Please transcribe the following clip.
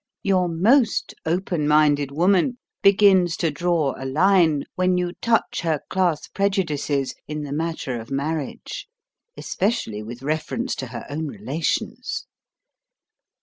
Your most open minded woman begins to draw a line when you touch her class prejudices in the matter of marriage, especially with reference to her own relations.